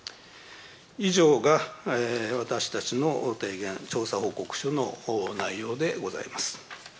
以上が私たちの提言、調査報告書の内容でございます。